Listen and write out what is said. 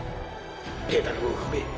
ペダルを踏め。